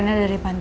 rena dari panti